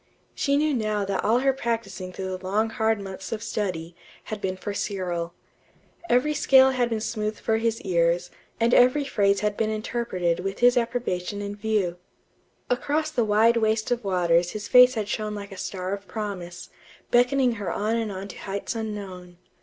She knew now that all her practising through the long hard months of study, had been for Cyril. Every scale had been smoothed for his ears, and every phrase had been interpreted with his approbation in view. Across the wide waste of waters his face had shone like a star of promise, beckoning her on and on to heights unknown...